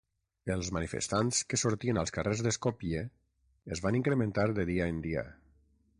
Els manifestants que sortien als carrers de Skopje es van incrementar de dia en dia.